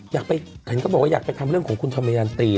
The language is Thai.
เห็นก็บอกว่าอยากไปทำเรื่องของคุณธรรมยันตี